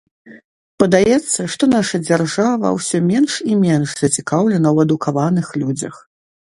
Падаецца, што наша дзяржава ўсё менш і менш зацікаўлена ў адукаваных людзях.